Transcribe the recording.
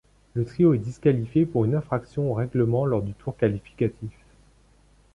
Le trio est disqualifié pour une infraction au règlement lors du tour qualificatif.